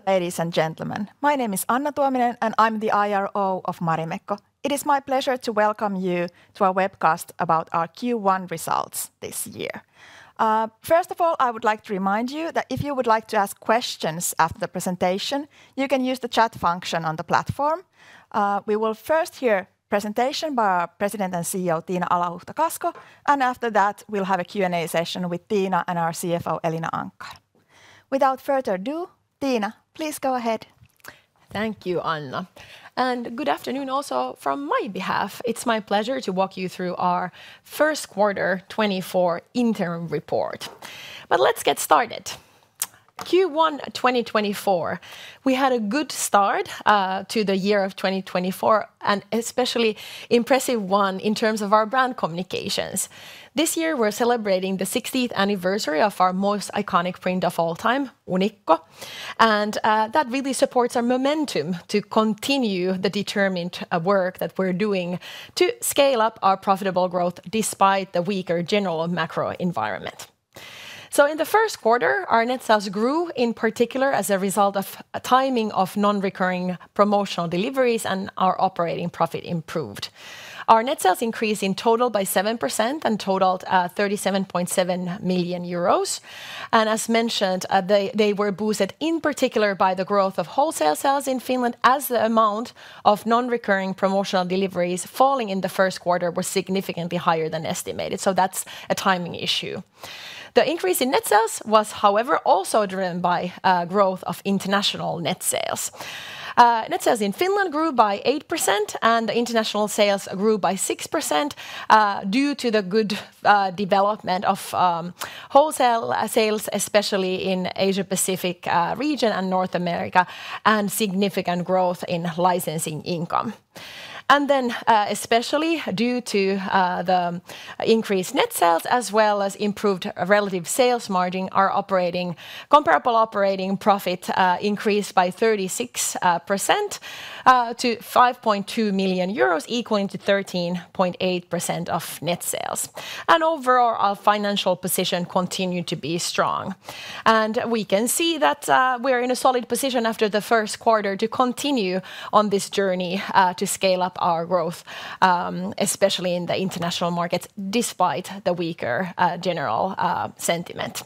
Good afternoon, ladies and gentlemen. My name is Anna Tuominen, and I'm the IRO of Marimekko. It is my pleasure to welcome you to our webcast about our Q1 results this year. First of all, I would like to remind you that if you would like to ask questions after the presentation, you can use the chat function on the platform. We will first hear presentation by our President and CEO, Tiina Alahuhta-Kasko, and after that, we'll have a Q&A session with Tiina and our CFO, Elina Anckar. Without further ado, Tiina, please go ahead. Thank you, Anna, and good afternoon also from my behalf. It's my pleasure to walk you through our First Quarter 2024 Interim Report. Let's get started. Q1 2024, we had a good start to the year of 2024, and especially impressive one in terms of our brand communications. This year we're celebrating the 60th anniversary of our most iconic print of all time, Unikko, and that really supports our momentum to continue the determined work that we're doing to scale up our profitable growth despite the weaker general macro environment. In the first quarter, our net sales grew, in particular as a result of timing of non-recurring promotional deliveries, and our operating profit improved. Our net sales increased in total by 7% and totaled 37.7 million euros. And as mentioned, they were boosted in particular by the growth of wholesale sales in Finland, as the amount of non-recurring promotional deliveries falling in the first quarter were significantly higher than estimated, so that's a timing issue. The increase in net sales was, however, also driven by growth of international net sales. Net sales in Finland grew by 8%, and the international sales grew by 6%, due to the good development of wholesale sales, especially in Asia-Pacific region and North America, and significant growth in licensing income. And then, especially due to the increased net sales as well as improved relative sales margin, our operating comparable operating profit increased by 36%, to 5.2 million euros, equaling to 13.8% of net sales. And overall, our financial position continued to be strong. We can see that, we're in a solid position after the first quarter to continue on this journey, to scale up our growth, especially in the international markets, despite the weaker, general, sentiment.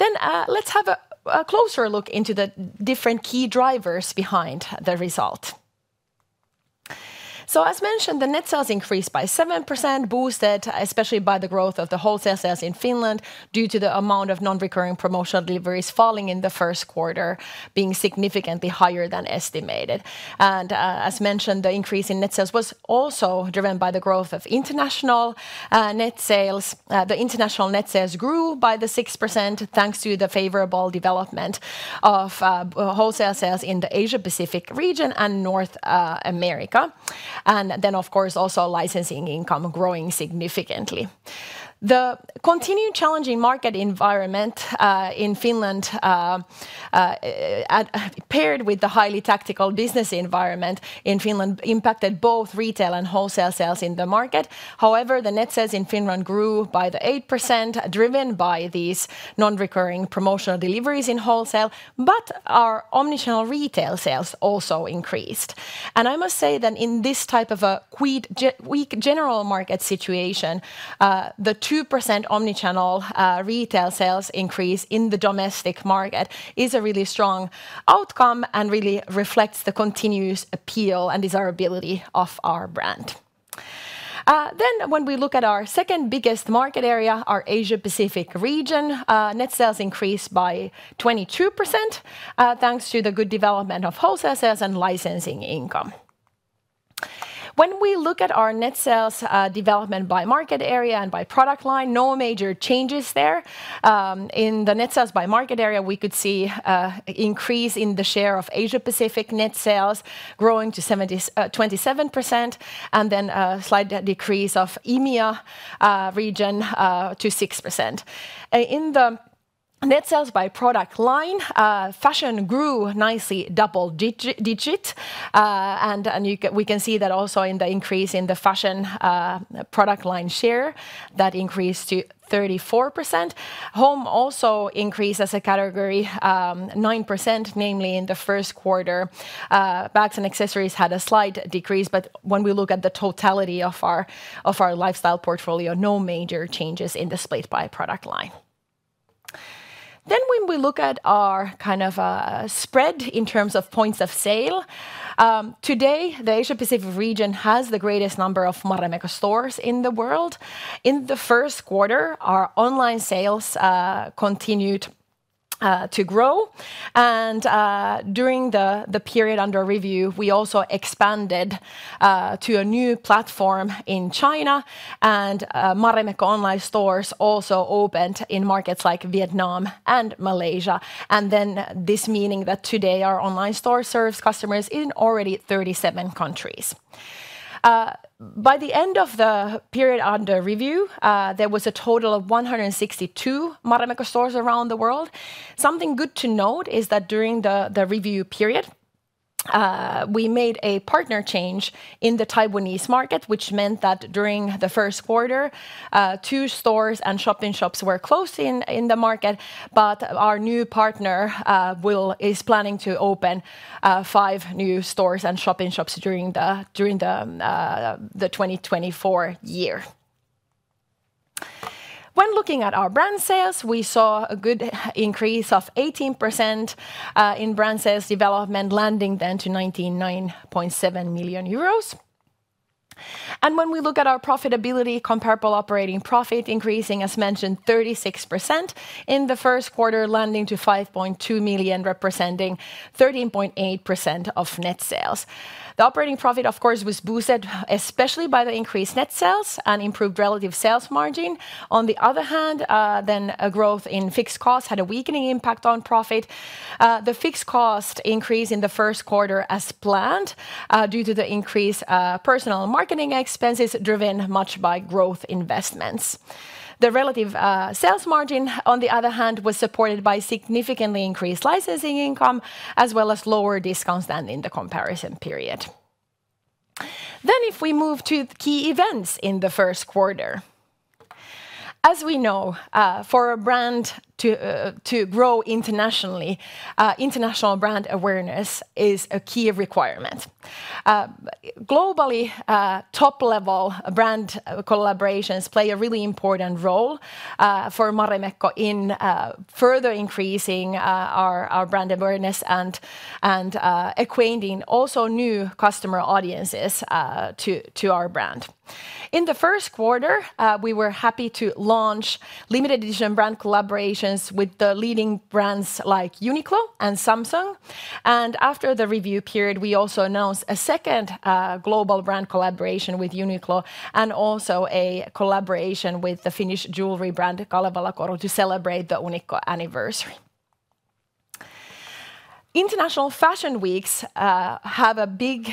Let's have a closer look into the different key drivers behind the result. As mentioned, the net sales increased by 7%, boosted especially by the growth of the wholesale sales in Finland, due to the amount of non-recurring promotional deliveries falling in the first quarter being significantly higher than estimated. As mentioned, the increase in net sales was also driven by the growth of international, net sales. The international net sales grew by 6%, thanks to the favorable development of, wholesale sales in the Asia-Pacific region and North America, and then, of course, also licensing income growing significantly. The continued challenging market environment in Finland paired with the highly tactical business environment in Finland impacted both retail and wholesale sales in the market. However, the net sales in Finland grew by 8%, driven by these non-recurring promotional deliveries in wholesale, but our omnichannel retail sales also increased. I must say that in this type of a weak general market situation, the 2% omnichannel retail sales increase in the domestic market is a really strong outcome and really reflects the continuous appeal and desirability of our brand. Then when we look at our second biggest market area, our Asia-Pacific region, net sales increased by 22%, thanks to the good development of wholesalers and licensing income. When we look at our net sales development by market area and by product line, no major changes there. In the net sales by market area, we could see increase in the share of Asia Pacific net sales growing to 27%, and then a slight decrease of EMEA region to 6%. In the net sales by product line, fashion grew nicely double-digit, and we can see that also in the increase in the fashion product line share, that increased to 34%. Home also increased as a category, 9%, namely in the first quarter. Bags and accessories had a slight decrease, but when we look at the totality of our lifestyle portfolio, no major changes in the split by product line. Then when we look at our kind of spread in terms of points of sale, today, the Asia Pacific region has the greatest number of Marimekko stores in the world. In the first quarter, our online sales continued to grow, and during the period under review, we also expanded to a new platform in China, and Marimekko online stores also opened in markets like Vietnam and Malaysia. And then this meaning that today our online store serves customers in already 37 countries. By the end of the period under review, there was a total of 162 Marimekko stores around the world. Something good to note is that during the review period-... We made a partner change in the Taiwanese market, which meant that during the first quarter, two stores and shop-in-shops were closing in the market, but our new partner is planning to open five new stores and shop-in-shops during the 2024 year. When looking at our brand sales, we saw a good increase of 18% in brand sales development, landing then to 99.7 million euros. When we look at our profitability, comparable operating profit increasing, as mentioned, 36% in the first quarter, landing to 5.2 million, representing 13.8% of net sales. The operating profit, of course, was boosted, especially by the increased net sales and improved relative sales margin. On the other hand, then a growth in fixed costs had a weakening impact on profit. The fixed cost increase in the first quarter as planned, due to the increased personnel and marketing expenses, driven much by growth investments. The relative sales margin, on the other hand, was supported by significantly increased licensing income, as well as lower discounts than in the comparison period. Then, if we move to key events in the first quarter. As we know, for a brand to grow internationally, international brand awareness is a key requirement. Globally, top-level brand collaborations play a really important role for Marimekko in further increasing our brand awareness and acquainting also new customer audiences to our brand. In the first quarter, we were happy to launch limited edition brand collaborations with the leading brands like UNIQLO and Samsung. And after the review period, we also announced a second global brand collaboration with UNIQLO, and also a collaboration with the Finnish jewelry brand, Kalevala Koru, to celebrate the Unikko anniversary. International Fashion Weeks have a big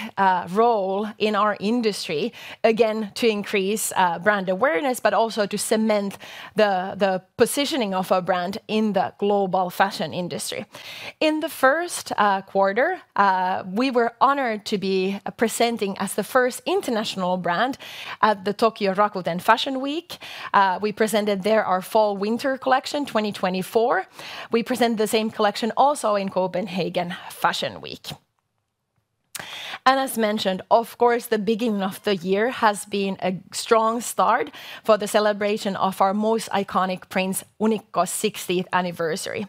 role in our industry, again, to increase brand awareness, but also to cement the positioning of our brand in the global fashion industry. In the first quarter, we were honored to be presenting as the first international brand at the Rakuten Fashion Week Tokyo. We presented there our Fall/Winter collection 2024. We presented the same collection also in Copenhagen Fashion Week. And as mentioned, of course, the beginning of the year has been a strong start for the celebration of our most iconic print, Unikko's 60th anniversary.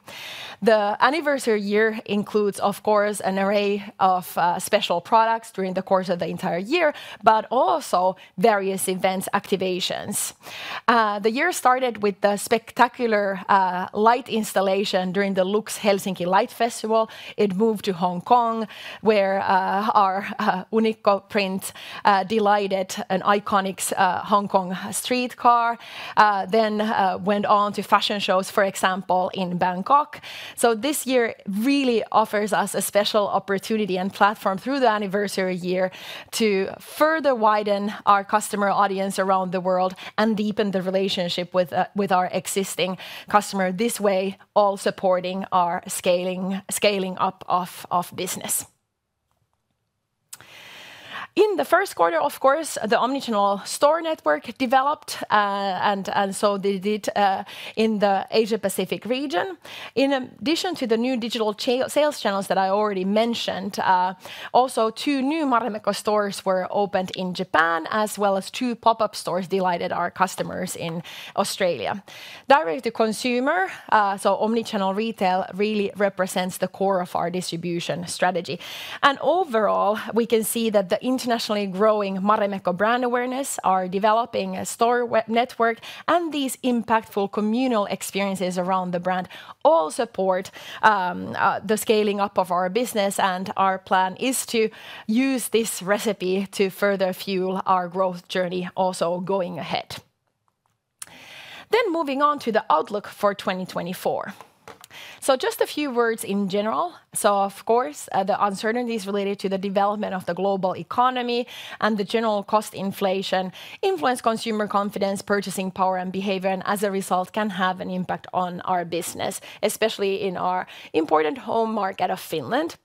The anniversary year includes, of course, an array of special products during the course of the entire year, but also various events activations. The year started with the spectacular light installation during the Lux Helsinki Light Festival. It moved to Hong Kong, where our Unikko print delighted an iconic Hong Kong streetcar. Then went on to fashion shows, for example, in Bangkok. So this year really offers us a special opportunity and platform through the anniversary year to further widen our customer audience around the world and deepen the relationship with our existing customer. This way, all supporting our scaling up of business. In the first quarter, of course, the omnichannel store network developed, and so they did, in the Asia-Pacific region. In addition to the new digital sales channels that I already mentioned, also two new Marimekko stores were opened in Japan, as well as two pop-up stores delighted our customers in Australia. Direct-to-consumer, so omnichannel retail really represents the core of our distribution strategy. And overall, we can see that the internationally growing Marimekko brand awareness, our developing store network, and these impactful communal experiences around the brand all support the scaling up of our business, and our plan is to use this recipe to further fuel our growth journey, also going ahead. Then moving on to the outlook for 2024. So just a few words in general. So of course, the uncertainties related to the development of the global economy and the general cost inflation influence consumer confidence, purchasing power, and behavior, and as a result, can have an impact on our business, especially in our important home market of Finland.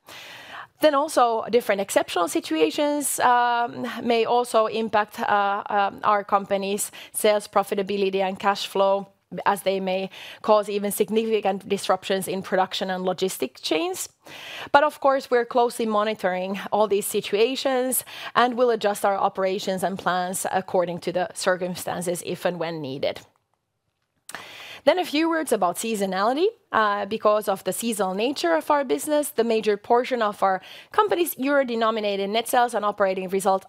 Then also, different exceptional situations may also impact our company's sales, profitability, and cash flow, as they may cause even significant disruptions in production and logistics chains. But of course, we're closely monitoring all these situations, and we'll adjust our operations and plans according to the circumstances, if and when needed. Then a few words about seasonality. Because of the seasonal nature of our business, the major portion of our company's euro-denominated net sales and operating result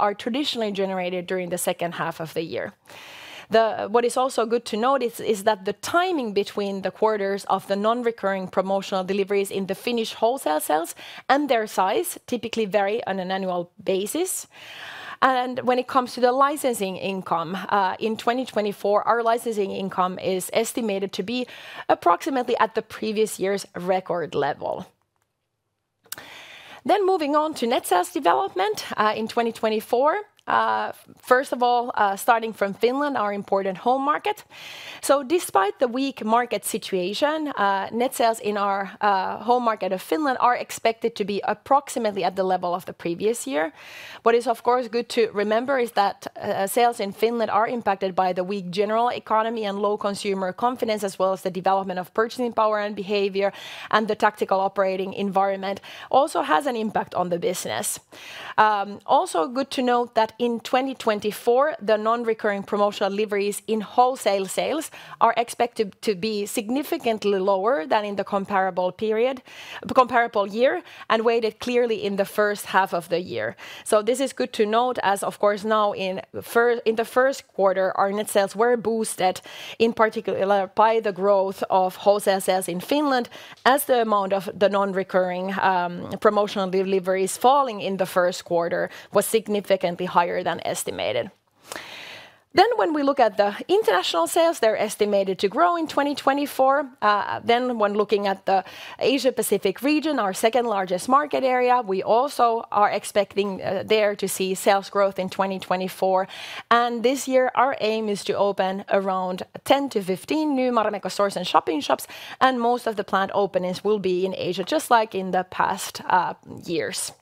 are traditionally generated during the second half of the year. The... What is also good to note is that the timing between the quarters of the non-recurring promotional deliveries in the Finnish wholesale sales and their size typically vary on an annual basis. And when it comes to the licensing income, in 2024, our licensing income is estimated to be approximately at the previous year's record level. Then moving on to net sales development, in 2024. First of all, starting from Finland, our important home market. So despite the weak market situation, net sales in our home market of Finland are expected to be approximately at the level of the previous year. What is, of course, good to remember is that sales in Finland are impacted by the weak general economy and low consumer confidence, as well as the development of purchasing power and behavior, and the retail operating environment also has an impact on the business. Also good to note that in 2024, the non-recurring promotional deliveries in wholesale sales are expected to be significantly lower than in the comparable year, and weighted clearly in the first half of the year. So this is good to note as, of course, now in the first quarter, our net sales were boosted, in particular, by the growth of wholesale sales in Finland, as the amount of the non-recurring promotional deliveries falling in the first quarter was significantly higher than estimated. Then, when we look at the international sales, they're estimated to grow in 2024. Then, when looking at the Asia-Pacific region, our second largest market area, we also are expecting there to see sales growth in 2024. And this year, our aim is to open around 10-15 new Marimekko stores and shop-in-shops, and most of the planned openings will be in Asia, just like in the past years.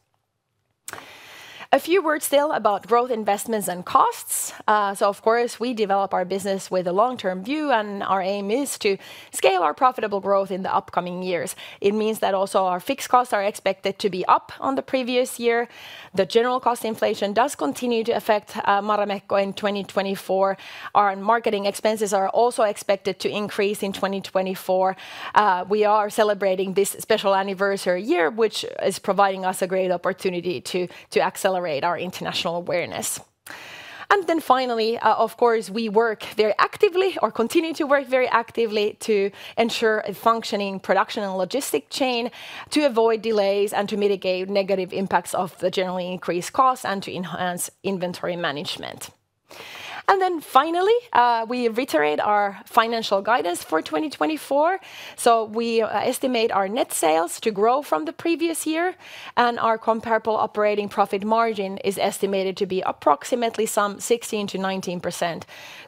A few words still about growth, investments, and costs. So of course, we develop our business with a long-term view, and our aim is to scale our profitable growth in the upcoming years. It means that also our fixed costs are expected to be up on the previous year. The general cost inflation does continue to affect Marimekko in 2024. Our marketing expenses are also expected to increase in 2024. We are celebrating this special anniversary year, which is providing us a great opportunity to, to accelerate our international awareness. And then finally, of course, we work very actively or continue to work very actively to ensure a functioning production and logistic chain, to avoid delays, and to mitigate negative impacts of the generally increased costs, and to enhance inventory management. And then finally, we reiterate our financial guidance for 2024. So we estimate our net sales to grow from the previous year, and our comparable operating profit margin is estimated to be approximately some 16%-19%.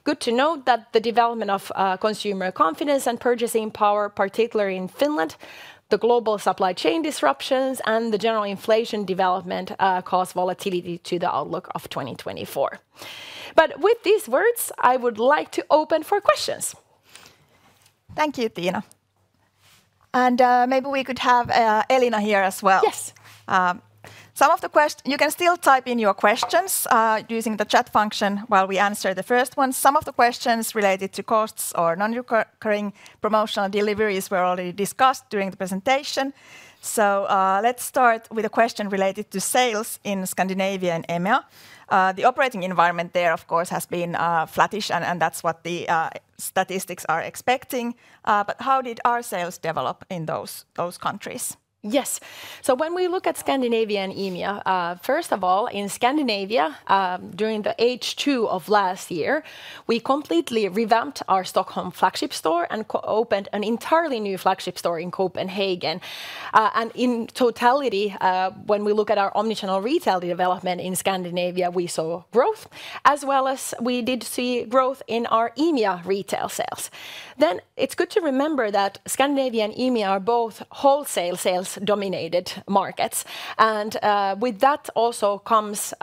Good to note that the development of consumer confidence and purchasing power, particularly in Finland, the global supply chain disruptions, and the general inflation development cause volatility to the outlook of 2024. But with these words, I would like to open for questions. Thank you, Tiina. Maybe we could have Elina here as well. Yes. You can still type in your questions using the chat function while we answer the first one. Some of the questions related to costs or non-recurring promotional deliveries were already discussed during the presentation. So, let's start with a question related to sales in Scandinavia and EMEA. The operating environment there, of course, has been flattish, and that's what the statistics are expecting. But how did our sales develop in those countries? Yes. So when we look at Scandinavia and EMEA, first of all, in Scandinavia, during the H2 of last year, we completely revamped our Stockholm flagship store and co-opened an entirely new flagship store in Copenhagen. And in totality, when we look at our omnichannel retail development in Scandinavia, we saw growth, as well as we did see growth in our EMEA retail sales. Then it's good to remember that Scandinavia and EMEA are both wholesale sales-dominated markets, and with that also comes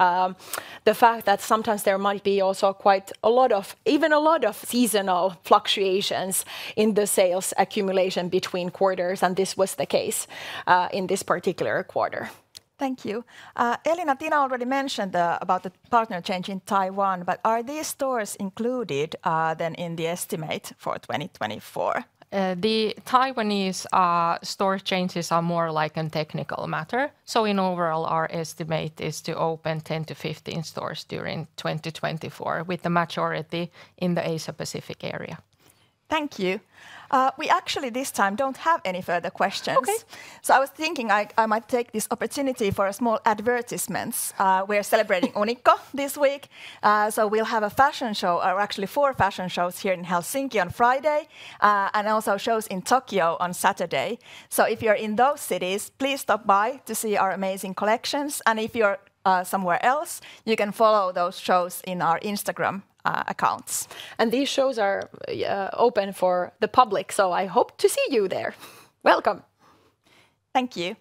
the fact that sometimes there might be also quite a lot of, even a lot of seasonal fluctuations in the sales accumulation between quarters, and this was the case in this particular quarter. Thank you. Elina, Tiina already mentioned about the partner change in Taiwan, but are these stores included then in the estimate for 2024? The Taiwanese store changes are more like a technical matter. So in overall, our estimate is to open 10-15 stores during 2024, with the majority in the Asia-Pacific area. Thank you. We actually this time don't have any further questions. Okay. So I was thinking I might take this opportunity for a small advertisement. We are celebrating Unikko this week, so we'll have a fashion show, or actually four fashion shows here in Helsinki on Friday, and also shows in Tokyo on Saturday. So if you're in those cities, please stop by to see our amazing collections, and if you're somewhere else, you can follow those shows in our Instagram accounts. These shows are open for the public, so I hope to see you there. Welcome! Thank you.